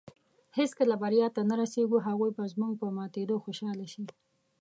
هېڅکله بریا ته نۀ رسېږو. هغوی به زموږ په ماتېدو خوشحاله شي